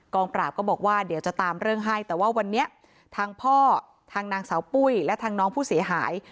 ปราบก็บอกว่าเดี๋ยวจะตามเรื่องให้แต่ว่าวันนี้ทางพ่อทางนางสาวปุ้ยและทางน้องผู้เสียหาย